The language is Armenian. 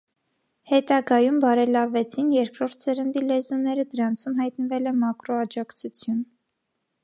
Հետագայում բարելավվեցին երկրորդ սերնդի լեզուները, դրանցում հայտնվել է մակրո աջակցություն։